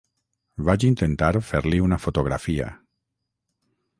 Vaig intentar fer-li una fotografia.